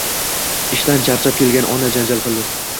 Ishdan charchab kelgan ona janjal qildi.